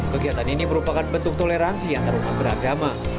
kegiatan ini merupakan bentuk toleransi antarumat beragama